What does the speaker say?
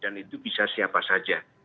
dan itu bisa siapa saja